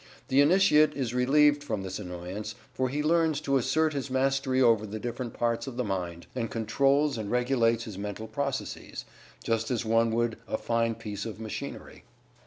The Initiate is relieved from this annoyance, for he learns to assert his mastery over the different parts of the mind, and controls and regulates his mental processes, just as one would a fine piece of machinery.